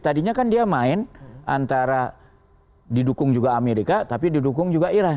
tadinya kan dia main antara didukung juga amerika tapi didukung juga iran